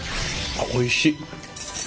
あおいしい。